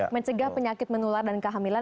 mencegah penyakit menular dan kehamilan